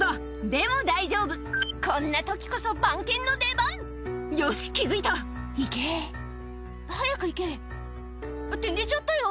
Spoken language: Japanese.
でも大丈夫こんな時こそ番犬の出番よし気付いたいけ早くいけって寝ちゃったよ！